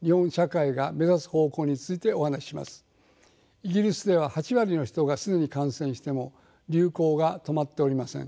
イギリスでは８割の人が既に感染しても流行が止まっておりません。